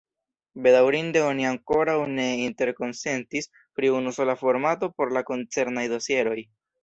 Bedaŭrinde oni ankoraŭ ne interkonsentis pri unusola formato por la koncernaj dosieroj.